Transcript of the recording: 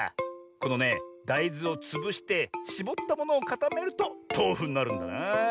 このねだいずをつぶしてしぼったものをかためるととうふになるんだなあ。